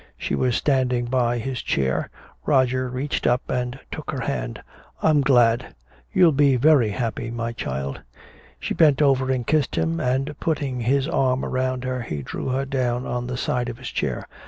She was standing by his chair. Roger reached up and took her hand: "I'm glad. You'll be very happy, my child." She bent over and kissed him, and putting his arm around her he drew her down on the side of his chair.